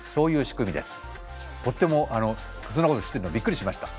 とてもそんなこと知ってるのびっくりしました。